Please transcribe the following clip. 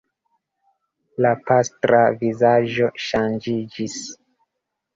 La pastra vizaĝo ŝanĝiĝis.